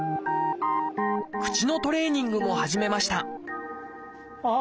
口のトレーニングも始めました